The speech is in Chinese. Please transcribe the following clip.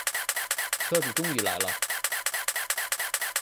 车子终于来了